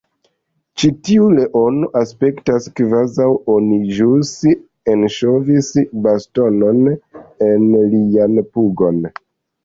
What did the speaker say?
Ĉi tiu leono aspektas kvazaŭ oni ĵus enŝovis bastonon en lian pugon